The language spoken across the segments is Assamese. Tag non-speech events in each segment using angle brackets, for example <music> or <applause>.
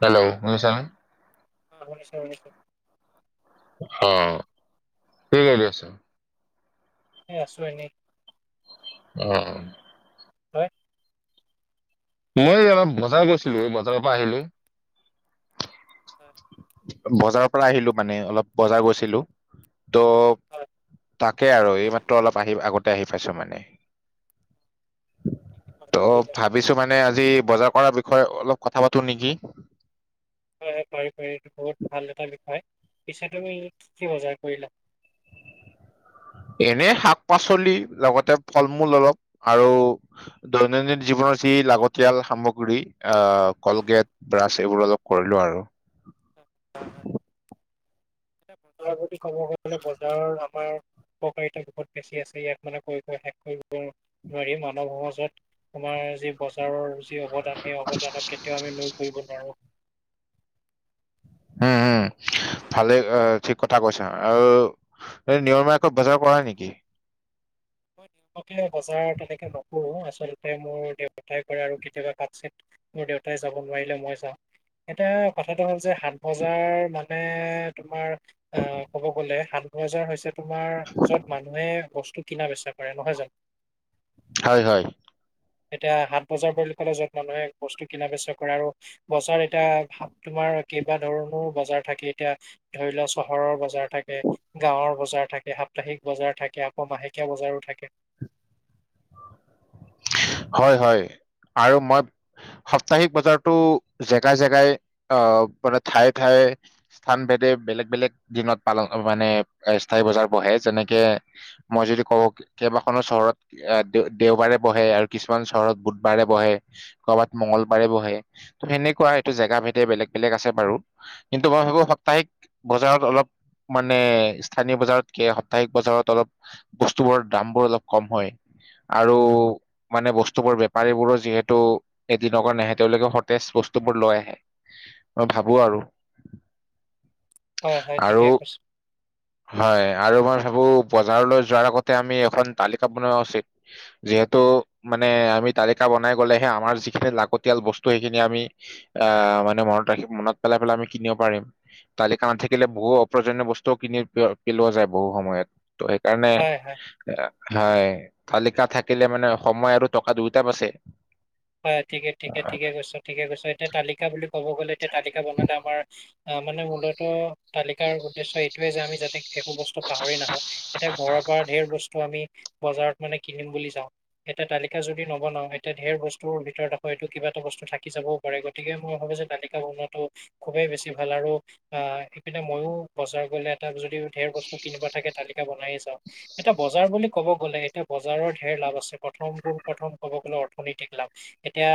হেল্ল' শুনিছা নে অ শুনিছো শুনিছো অ কি কৰি আছ এই আছো এনেই উম তই মই অলপ বজাৰ গৈছিলো এই বজাৰৰ পৰা আহিলো হয় বজাৰৰ পৰা আহিলো মানে অলপ বজাৰ গৈছিলো ত হয়। তাক তাকে আৰু এই মাত্ৰ অলপ আহি আগতে আহি পাইছো মানে কি কি ত বজাৰ কৰিলা? ভাবিছো মানে আজি বজাৰ কৰাৰ বিষয়ে অলপ কথা পাতো নেকি হয় পাৰি পাৰি এইটো বহুত ভাল এটা হয় পিছে তুমি কি বজাৰ কৰিলা এনে শাক পাচলি লগতে ফল মূল অলপ আৰু দৈনন্দিন জীৱন যি লাগতিয়াল সামগ্ৰী আহ কলগেট ব্ৰাছ এইবোৰ অলপ কৰিলো আৰু বজাৰ বুলি ক'ব গলে বজাৰৰ আমাৰ উপকাৰিতা বহুত বেছি আছে ইয়াক মানে কৈ কৈ শেষ কৰিব নোৱাৰি মানৱ সমাজত তোমাৰ যি বজাৰৰ যি অৱদান সেই অৱদানক কেতিয়াও আমি লৈ কৰিব নোৱাৰো উম, উম ভালে ঠিক কথা কৈছা আৰু নিয়মাৰকত বজাৰ কৰা নেকি মই বজাৰ তেনেকে নকৰো আচলতে মোৰ দেউতাই কৰে আৰু কেতিয়াবা ভাত চ মোৰ দেউতাই যাব নোৱাৰিলে মই যাওঁ এতিয়া কথাটো হ'ল যে সাত বজাৰ মানে তোমাৰ আহ ক'ব গ'লে সাত বজাৰ হৈছে তোমাৰ য'ত মানুহে বস্তু কিনা বেচা কৰে নহয় জানো হয় হয় এতিয়া হাত বজাৰ বুলি ক'লে য'ত মানুহে বস্তু কিনা বেচা কৰে আৰু বজাৰ এতিয়া হাত তোমাৰ কেইবা ধৰণৰো বজাৰ থাকে এতিয়া ধৰি লোৱা চহৰৰ বজাৰ থাকে গাঁৱৰ বজাৰ থাকে এই সাপ্তাহিক বজাৰ থাকে আকৌ মাহেকীয়া বজাৰো থাকে হয় হয় আৰু মত সাপ্তাহিক বজাৰতো জেগাই জেগাই অ মানে ঠায়ে ঠায়ে স্থান ভেদে বেলেগ বেলেগ দিনত পালন মানে স্থায়ী বজাৰ বহে যেনেকে মই যদি কওঁ কেইবাখনো চহৰত আহ দে দেওবাৰে বহে আৰু কিছুমান চহৰত বুধবাৰে বহে কবাত মংগলবাৰে বহে ত সেনেকুৱা এইটো জেগা ভেদে বেলেগ বেলেগ আছে বাৰু কিন্তু মই ভাবো সপ্তাহিক বজাৰত অলপ মানে স্থানীয় বজাৰতকে সপ্তাহিক বজাৰত অলপ বস্তুবোৰ দাম বোৰ অলপ কম হয় আৰু মানে বস্তু বোৰ বেপাৰী বোৰো যিহেতু এদিনৰ কাৰ নাহে তেওঁলোকে সতেজ বস্তুবোৰ লৈ আহে মই ভাবো আৰু হয় হয় আৰু ঠিকে কৈছ হয় আৰু মই ভাবো বজাৰলৈ যোৱাৰ আগতে আমি এখন তালিকা বনোৱা উচিত যিহেতু মানে আমি তালিকা বনাই গলেহে আমাৰ যিখিনি লাগতিয়াল বস্তু সেইখিনি আমি অ মানে মনত ৰাখি মনত পেলাই পেলাই আমি কিনিব পাৰিম তালিকা নাথাকিলে বহু প্ৰোজনীয় বস্তুও কিনি পিলোৱা যায় বহু সময়ত ত সেইকাৰণে হয় হয় হয় তালিকা থাকিলে মানে সময় আৰু টকা দুয়োটা বাছে হয় ঠিকে ঠিকে ঠিকে কৈছ ঠিকে কৈছ এতিয়া তালিকা বুলি কব গ'লে এতিয়া তালিকা বনাওঁতে আমাৰ অ মানে মুলতটো তালিকাৰ উদ্দেশ্য এইটোয়ে যে আমি যাতে একো বস্তু পাহৰি নাহো তেতিয়া ঘৰৰ পৰা ধঢেৰ বস্তু আমি বজাৰত মানে কিনিম বুলি যাও এটা তালিকা যদি নবনাও এটায়া ধেৰ বস্তু ভিতৰত আকৌ এইটো কিবা এটা বস্তু থাকি যাবও পাৰে গতিকে মই ভাবো যে তালিকা বনোৱাো খুবেই বেছি ভাল আৰু আৰু অ এইপিনে মইও বজাৰ গলে এটা যদি ঢেৰ বস্তু কিনিবা থাকে তালি বনাই যাওঁ এটা বজাৰ বুলি ক'ব গ'লে এতিয়া বজাৰৰ ঢেৰ লাভ আছে প্ৰথমবোৰ প্ৰথম ক'ব গলে অৰ্থনৈতিক লাভ এতিয়া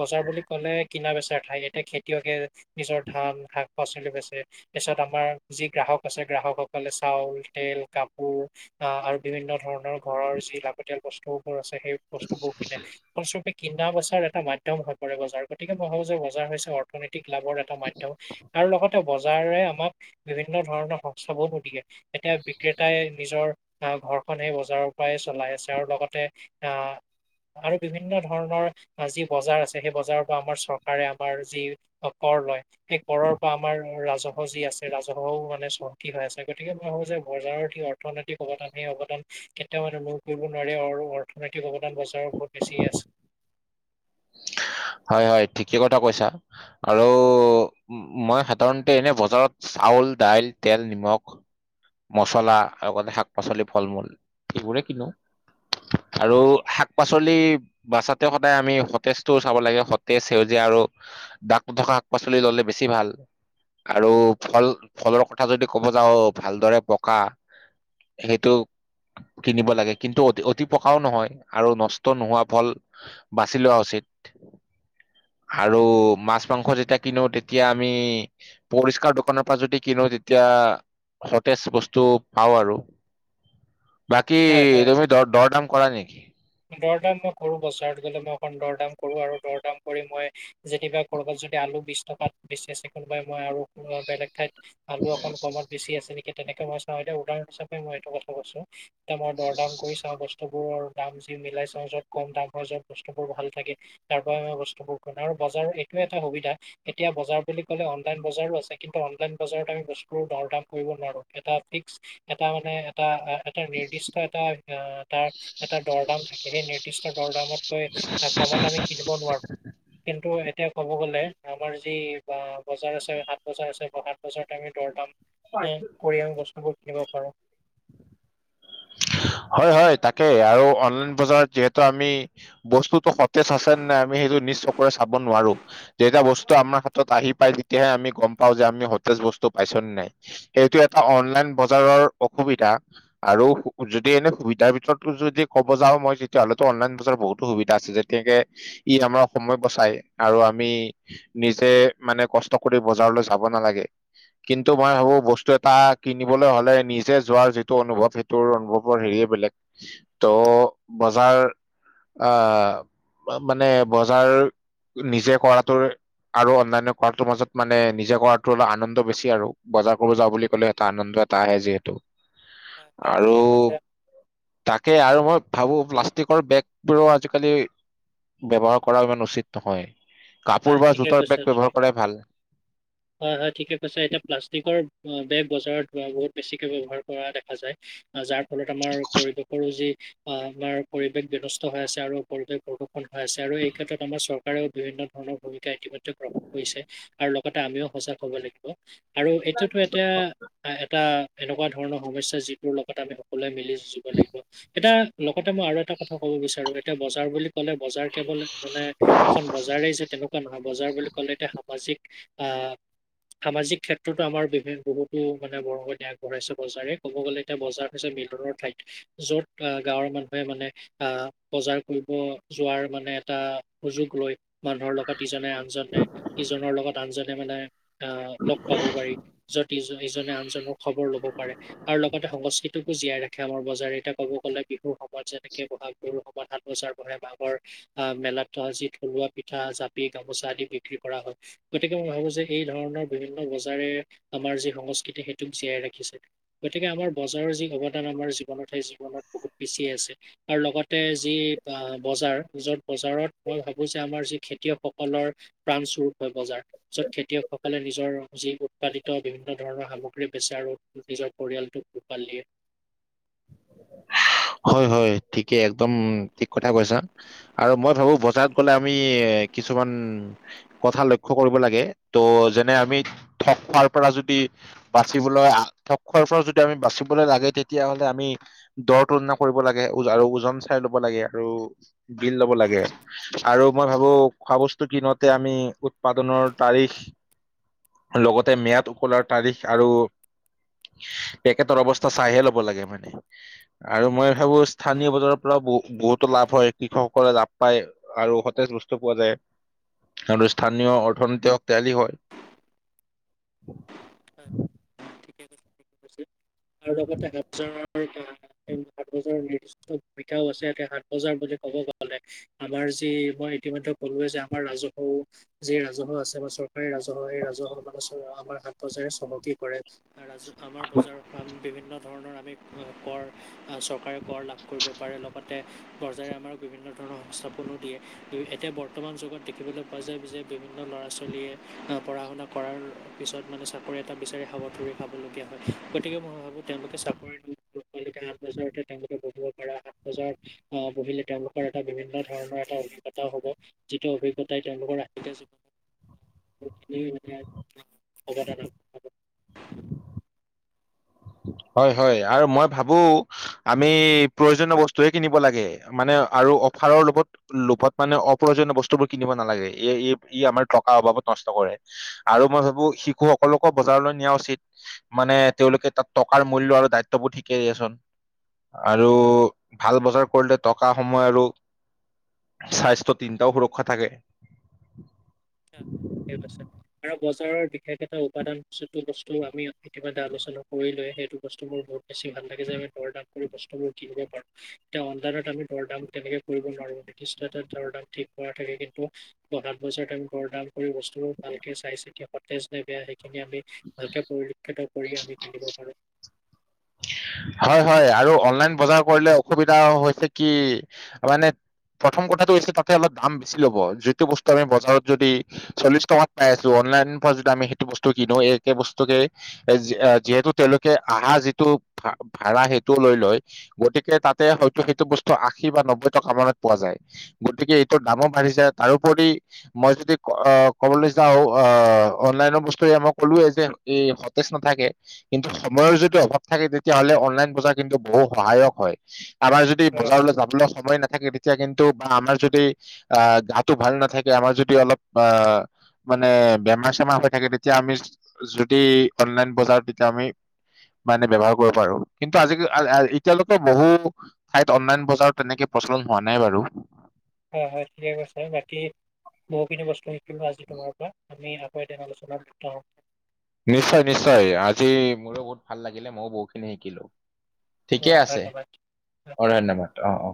বজাৰ বুলি ক'লে কিনা বেচাৰ ঠাই এতিয়া খেতিয়কে নিজৰ ধান শাক <unintelligible> তাৰিছত আমাৰ যি গ্ৰাহক আছে গ্ৰাহকসকলে চাউল তেল কাপোৰ আহ আৰু বিভিন্ন ধৰণৰ ঘৰৰ যি লাগতিয়াল বস্তুবোৰ আছে সেই বস্তুবোৰ কিনে ফলচৰুপে কিনা বচাৰ এটা মাধ্যম হৈ পৰে বজাৰ গতিকে মই ভাবো যে বজাৰ হৈছে অৰ্থনৈতিক লাভৰ এটা মাধ্যম আৰু লগতে বজাৰৰে আমাক বিভিন্ন ধৰণৰ সংস্থাবোৰো দিয়ে এতিয়া বিক্ৰেতাই নিজৰ আহ ঘৰখন স বজাৰৰ পৰাই চলাই আছে আৰু লগতে আহ আৰু বিভিন্ন ৰ যি বজাৰ আছে সেই বজাৰৰ পৰা আমাৰ চৰকাৰে আমাৰ যি কৰ লয় সেই কৰ পৰা আমাৰ ৰাজহু যি আছে ৰাজহুৱা মানে চকি হৈ আছে গতিকে মই ভাবো যে বজাৰৰ সি অৰ্থনৈতি <unintelligible> অৱদান সেই অৱদান কেতিয়াও মানে মূৰ কৰিব নোৱাৰে আৰু অৰ্থনৈতিক অৱদান বজাৰৰ বহুত বেছি আছে <unintelligible> হয় হয় ঠিকেই কথা কৈছা আৰু মই সাধাৰণতে এনে বজাৰত আউল দাইল তেল নিমখ মচলা লগতে শাক পাচলি ফল মূল সেইবোৰে কিনো আৰু শাক পাচলি বাচাতে সদায় আমি সতেজটো চাব লাগে সতেজ সেউজীয়া আৰু দাক নথকা শাক পাচলি ললে বেছি ভাল আৰু ফল ফলৰ কথা যদি ক'ব যাওঁ ভালদৰে পকা সেইটো কিনিব লাগে কিন্তু অতি অতি পকাও নহয় আৰু নষ্ট নোহোৱা ফল বাচি লোৱা উচিত <inaudible> আৰু মাছ মাংস যেতিয়া কিনো তেতিয়া আমি পৰিষ্কাৰ দোকানৰ পৰা যদি কিনো তেতিয়া সতেজ বস্তু পাওঁ আৰু বাকী হয় হয় তুমি দৰদাম কৰা নেকি াম মই কৰো বাৰত গ'লে মই অখন দৰদাম কৰো আৰু দৰদাম কৰি মই যেতিয়া কৰ'বাত যদি আলু বি টকাত বেছ আছে কোনোবাই মই আৰু বেলেগ ঠাইত আলু অকণ কমত বেছি আছে নেকি তেনেকে মই চাওঁ এতিয়া উদাহৰণ হিচাপে মই এইটো কথা কৈছো মই দৰ দাম কৰি চাওঁ বস্তু বোৰৰ দাম যি মিলাই চাওঁ যত কম দাম হয় যত বস্তুবোৰ ভাল থাকে তাৰ পৰা মই বস্তুবোৰ খ আৰু বজাৰ এইটো এটা সুবিধা এতিয়া বজাৰ বুলি ক'লে অনলাইন বজাৰো আছে কিন্তু অনলাইন বজাৰত আমি বস্তু দৰ দাম কৰিব এটা ভিক্স এটা মানে এটা আ এটা নিৰ্দিষ্ট এটা তাৰ এটা দৰদাম থাকে সেই নিৰ্দিষ্ট দৰদামৰ কমত আমি কিনিব নোৱাৰো কিন্তু এতিয়া ক'ব গ'লে আমাৰ যি বা বজাৰ আছে সাত বজাৰ আছে বা সাত বজাৰতে আমি দৰ দাম কৰি আমি বস্তুবোৰ কিনিব পাৰোঁ উ হয় হয় তাকে আৰু অনলাইন বজাৰত যিহেতু আমি বস্তুতটো সতেজ আছে নে নাই আমি সেইটো নিজ চকুৰে চাব নোৱাৰো। যেতিয়া বস্তুটো আমাৰ হাতত আহি পাই, তেতিয়াহে আমি গম পাওঁ যে আমি সতেজ বস্তু। পাইছ নে নাই সেইটো এটা অনলাইন বজাৰৰ অসুবিধা আৰু যদি এনে সুবিধাৰ ভিতৰত যদি ক'ব যাওঁ, মই তেতিয়া হ'লেতো অনলাইন বজাৰত বহুতো সুবিধা আছে যেতিয়াকে ই আমাৰ সময় বচাই, আৰু আমি নিজে মানে কষ্ট কৰি বজাৰলৈ যাব নালাগে। কিন্তু মই ভাবো, বস্তু এটা কিনিবলৈ হ'লে নিজে যোৱাৰ যিটো অনুভৱ সেইটো তোৰ অনুভৱৰ হেৰিয়ে বেলেগ ত' বজাৰ, আহ মানে বজাৰ নিজে কৰাটো আৰু অনান্য কৰাটো মাজত মানে নিজে কৰাটো অলপ আনন্দ বেছি আৰু বজাৰ কৰিব যাওঁ বুলি ক'লে এটা আনন্দ, আহে যিহেতু, হয়, হয়, আৰু ঠিকে কৈছে তাকে আৰু মই- ভাবো প্লাষ্টিকৰ বেগবোৰো আজিকালি ব্যৱহাৰ কৰা ইমান উচিত নহয়। কাপোৰ হয় বা ঠিকে জোতৰ বেগ কৈছা তুমি, ব্যৱহাৰ কৰাই ভাল হয় হয় ঠিকে কৈছা। এতিয়া প্লাষ্টিকৰ বেগ বজাৰত বহুত বেছিকে ব্যৱহাৰ কৰা দেখা যায়। যাৰ ফলত আমাৰ পৰিৱেশৰো যি - অ আমাৰ পৰিৱেশ বিনষ্ট হৈ আছে আৰু ৰতে, ন্ধোৱা আছে আৰু এই ক্ষেত্ৰত আমাৰ চৰকাৰেও বিভিন্ন, ধৰণৰ ভূমিকা ইতিমধ্যে গ্ৰহণ কৰিছে আৰু লগতে আমিও সজাগ হব লাগিব। আৰু এইটোতো এতিয়া এটা এনেকুৱা ধৰণৰ সমস্যা যিটোৰ লগত আমি সকলোৱে মিলি। জ লাগিব এটা লগতে মই আৰু এটা কথা কব বিচাৰো এতিয়া বজাৰ বুলি ক'লে বজাৰ কেৱল মানে এখন বজাৰ যে তেনেকুৱা নহয় বজাৰ বুলি ক'লে এতিয়া সামাজিক অ সামাজিক ক্ষেত্ৰতো আমাৰ বি বহুতো মানে বৰঙণি আগবঢ়াইছে বজাৰে ক'ব গলে এতিয়া বজাৰ মিলৰ ঠাইত য'ত আহ গাঁৱৰ মানুহে মানে আহ বজাৰ কৰিব যোৱাৰ মানে এটা সুযোগ লৈ মানুহৰ লগত ইজনে আনজনে ইজনৰ লগত আনজনে মানে আহ লগ পাব পাৰি যত ইজনে সিজনক আনজনক খবৰ লব পাৰি আৰু লগতে সংস্কৃতি মোকো জীয়াই ৰাখে আমাৰ বজাৰে এতিয়া ক'ব গ'লে বিহুৰ সময়ত যেনেকে বহাগ বিহুৰ সময়ত সাত বজাৰ বহে মাগৰ অ মেলাত যি থলুৱা পিঠা জা গামোচা আদি বিক্ৰী কৰা হয় গতিকে মই ভাবো যে এই ধৰণৰ বিভিন্ন বজাৰে আমাৰ যি সংস্কৃতি সেইটোক জীয়াই ৰাখিছে গতিকে আমাৰ বজাৰৰ যি অৱদান আমাৰ জীৱনত সেই জীৱনত বহুত বেছি আৰু লগতে যি বজাৰ যত বজাৰত মই ভাবো যে আমাৰ যি খেতিয়ক সকলৰ প্ৰাণ চুৰপ হয় বজাৰ য'ত খেতিয়কসকলে নিজৰ যি উৎপাদিত বিভিন্ন ধৰণৰ সামগ্ৰী বেচে আৰু নিজৰ পৰিয়ালটোক পোহপাল দিয়ে হয় হয় ঠিক কি একদম ঠিক কথা কৈছা আৰু মই ভাবো বজাৰত গলে আমি কিছুমান কথা লক্ষ্য কৰিব লাগে ত' যেনে আমি ঠক খোৱাৰ পৰা যদি বাচিবলৈ আ ঠক খোৱাৰ পৰা যদি আমি বাচিবলৈ লাগে তেতিয়া হ'লে আমি দৰ তুলনা কৰিব লাগে আৰু ওজন চাই ল'ব লাগে আৰু বিল ল'ব লাগে আৰু মই ভাবো খোৱা বস্তু কিনতে আমি উৎপাদনৰ তাৰিখ লগতে মিয়াদ উকলাৰ তাৰিখ আৰু পেকেটৰ অৱস্থা চাইহে ল'ব লাগে মানে আৰু মই ভাবো স্থানীয় বজাৰৰ পৰাও ব বহুতো লাভ হয় কৃষকসকলে লাভ পায় আৰু সতেজ পোৱা যায় আৰু স্থানীয় অৰ্থনীতি হক ইত্যাদি হয় উম হয় ঠিকেই আৰু লগতে আৰু সাত বজাৰৰ নিৰ্দিষ্ট ভূমিকাও আছে ইয়াতে সাত বজাৰ বুলি ক'ব গলে আমাৰ যি মই ইতিমধ্যে ক'লোৱে যে আমাৰ ৰাজহুৱ যি ৰাজহুৱ আছে বা চৰকাৰ ৰাজহ এই ৰাজহ মানে আমাৰ হাত বজাৰে চমকি কৰে ৰাজ আমাৰ বজাৰৰ বিভিন্ন ধৰণৰ আমি কৰ চৰকাৰে কৰ লাভ কৰিব পাৰে লগতে চৰকাৰে আমাৰ বিভিন্ন ধৰণৰ সংস্থাপনো দিয়ে এতিয়া বৰ্তমান যুগত দেখিবলৈ পোৱা যায় যে বিভিন্ন ল'ৰা ছোৱালীয়ে পঢ়া শুনা কৰাৰ পিছত মানে চাকৰি এটা বিচাৰি হাবাথুৰি খাবলগীয়া হয় গতিকে মই ভাবোঁ তেওঁলোকে চাকৰি কে আঠ বজাৰতে তেওঁলোকে বহিব পাৰো আঠ বজাৰত আহ বহিলে তেওঁলোকৰ এটা বিভিন্ন ধৰণৰ এটা অভিজ্ঞতা হ'ব যিটো অভিজ্ঞতাই তেওঁলোকৰ <unintelligible> জীৱন <unintelligible> হয় হয় আৰু মই ভাবো আমি প্ৰয়োজনীয় বস্তুয়ে কিনিব লাগে মানে আৰু অফাৰৰ লভত লোভত মানে অপ্ৰয়োজনীয় বস্তুবোৰ কিনিব নালাগে ই ই আমাৰ টকাৰ অভাৱত নষ্ট কৰে আৰু মই ভাবো শিশুসকলকো বজাৰলৈ নিয়া উচিত মানে তেওঁলোকে তাত টকাৰ মূল্য আৰু দায়িত্ববোধ শিকে দিয়াচোন। আৰু ভাল বজাৰ কৰিলে টকা সময় আৰু স্বাস্থ্য তিনিটাও সুৰক্ষা থাকে। <unintelligible> বজাৰৰ বিশেষ এটা উপাদান যিটো বস্তু আমি ইতিমধ্যে আলোচনা কৰিলোঁৱে, সেইটো বস্তু মোৰ বহুত বেছি ভাল লাগে যে আমি দৰ দাম কৰি বস্তুবোৰ কিনিব পাৰো এতিয়া অনলাইনত আমি দৰ দাম তেনেকে কৰিব নোৱাৰো ন। <unintelligible> দৰ দাম ঠিক কৰা থাকে কিন্তু <unintelligible> পইছাত আৰু দৰদাম কৰি বস্তুবোৰ ভালকে চাই চিতি সতেজ নে বেয়া সেইখিনি আমি ভালকে পৰিলক্ষিত কৰি আমি কিনিব পাৰোঁ। হয় হয় আৰু অনলাইন বজাৰ কৰিলে অসুবিধা হৈছে কি মানে প্ৰথম কথাটো হৈছে তাতে অলপ দাম বেছি ল'ব যিটো বস্তু আমি বজাৰত যদি চল্লিশ টকাত পাই আছো অনলাইন পৰা যদি আমি সেইটো বস্তু কিনো একেই বস্তুকে যিহেতু তেওঁলোকে আহা যিটো ভাড়া সেইটোও লৈ লয় গতিকে তাতে হয়তো সেইটো বস্তু আশী বা নব্বৈ টকা মানত পোৱা যায়। গতিকে এইটোৰ দামো বাঢ়িছে তাৰোপৰি মই যদি অ ক'বলৈ যাওঁ আহ অ অনলাইনৰ বস্তুৰে মই কলোৱয়ে যে এই সতেজ নাথাকে কিন্তু সময়ৰ যিটো অভাৱ থাকে তেতিয়াহ'লে অনলাইন বজাৰ কিন্তু বহু সহায়ক হয়, আমাৰ যদি হয় হয় বজাৰলৈ যাবলৈ সময় নাথাকে তেতিয়া কিন্তু বা আমাৰ যদি আহ গাটো ভাল নাথাকে আমাৰ যদি অলপ আহ মানে বেমাৰ চেমাৰ হৈ থাকে তেতিয়া আমি যদি অনলাইন বজাৰ তেতিয়া আমি মানে ব্যৱহাৰ কৰিব পাৰো‌ কিন্তু আজি এতিয়ালৈকে বহু ঠাইত অনলাইন বজাৰ তেনেকে প্ৰচলন হোৱা নাই বাৰু। <inaudible> হয় হয় ঠিকে কৈছে বাকি বহুখিনি বস্তু শিকিলো আজি তোমাৰ পৰা। আমি হয় <unintelligible> নিশ্চয় নিশ্চয় আজি মোৰো বহুত ভাল লাগিলে ময়ো বহুতখিনি শিকিলো। অ, ঠিকেই আছে ধন্যবাদ। অ ধন্যবাদ অ অ।।